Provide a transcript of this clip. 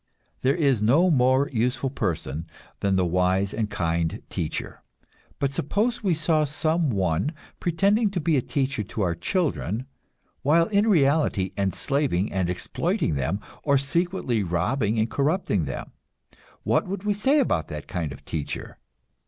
There is no more useful person than the wise and kind teacher. But suppose we saw some one pretending to be a teacher to our children, while in reality enslaving and exploiting them, or secretly robbing and corrupting them what would we say about that kind of teacher?